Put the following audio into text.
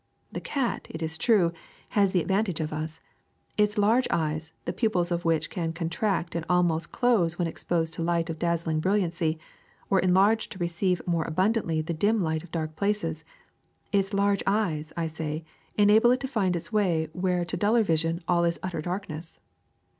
*^The cat, it is true, has the advantage of us: its large eyes, the pupils of which can contract and al most close when exposed to light of dazzling bril liancy, or enlarge to receive more abundantly the dim light of dark places — its large eyes, I say, enable it to find its way where to duller vision all is utter darkness.